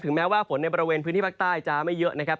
แม้ว่าฝนในบริเวณพื้นที่ภาคใต้จะไม่เยอะนะครับ